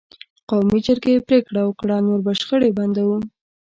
قومي جرګې پرېکړه وکړه: نور به شخړې بندوو.